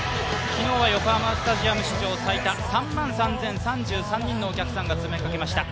昨日は横浜スタジアム史上最多、３万３３３３人の皆さんが詰めかけました。